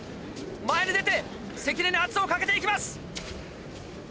前に出て関根に圧をかけていきます。